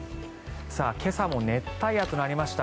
今朝も熱帯夜となりました。